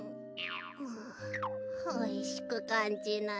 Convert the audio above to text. あおいしくかんじない。